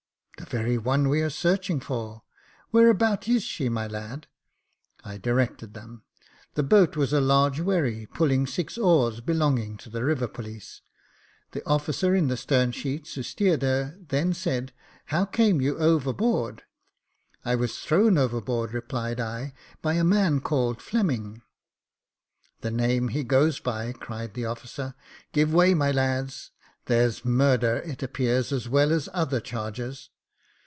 *' The very one we are searching for. Where about is she, my lad ?" I directed them : the boat was a large wherry, pulling six oars, belonging to the River Police. The officer in the stern sheets, who steered her, then said, " How came you overboard?" " I was thrown overboard," replied I, " by a man called Fleming." " The name he goes by," cried the officer. *' Give way, my lads. There's murder, it appears, as well as other charges."